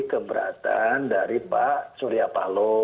keberatan dari pak surya paloh